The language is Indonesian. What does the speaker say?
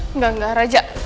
enggak enggak raja